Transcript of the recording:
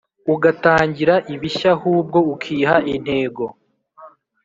ugatangira ibishyaahubwo ukiha intego